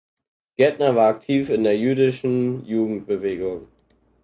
Gärtner war aktiv in der jüdischen Jugendbewegung.